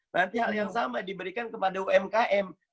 nanti hal yang sama diberikan kepada umkm